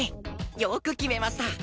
よく決めました！